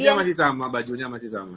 iya masih sama bajunya masih sama